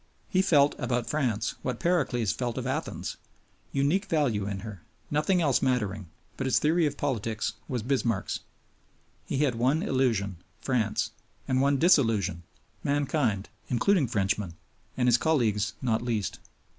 He felt about France what Pericles felt of Athens unique value in her, nothing else mattering; but his theory of politics was Bismarck's. He had one illusion France; and one disillusion mankind, including Frenchmen, and his colleagues not least.